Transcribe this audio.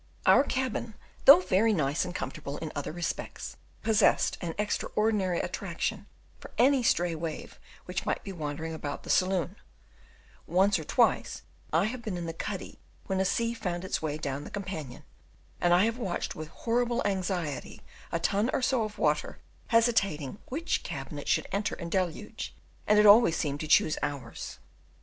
Our cabin, though very nice and comfortable in other respects, possessed an extraordinary attraction for any stray wave which might be wandering about the saloon: once or twice I have been in the cuddy when a sea found its way down the companion, and I have watched with horrible anxiety a ton or so of water hesitating which cabin it should enter and deluge, and it always seemed to choose ours.